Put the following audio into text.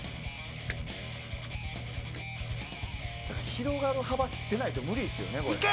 広がる幅を知ってないと無理ですよね。